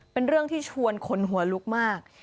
เป็นเรื่องที่ชวนคนหัวลุกมาก